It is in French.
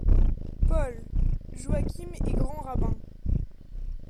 PAUL : Joachim est grand rabbin.